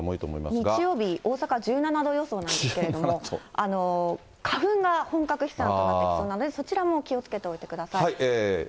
日曜日、大阪１７度予想なんですけれども、花粉が本格飛散となってきそうなので、そちらも気をつけておいてください。